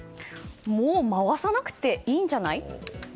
もう回さなくていいんじゃない？